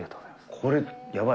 これ、やばい。